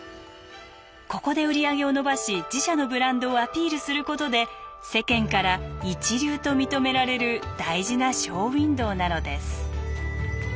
ここで売り上げを伸ばし自社のブランドをアピールすることで世間から一流と認められる大事なショーウインドーなのです。